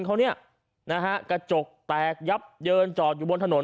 กระจกแตกยับเยินจอดบนถนน